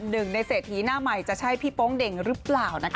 หนึ่งในเศรษฐีหน้าใหม่จะใช่พี่โป๊งเด่งหรือเปล่านะคะ